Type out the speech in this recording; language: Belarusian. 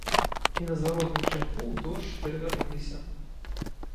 І на зваротным шляху ў дождж перавярнуліся.